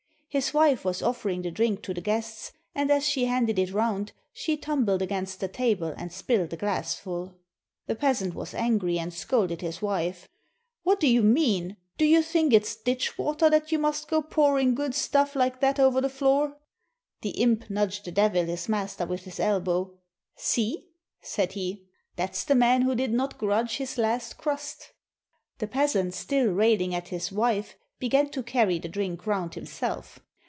His wife was offering the drink to the guests, and as she handed it round she tumbled against the table and spilt a glassful. The peasant was angry, and scolded his wife: "What do you mean? Do you think it's ditch water that you must go pouring good stuff like that over the floor? " The imp nudged the Devil, his master, with his elbow: "See," said he, "that's the man who did not grudge his last crust!" The peasant, still railing at his wife, began to carry the drink round himself.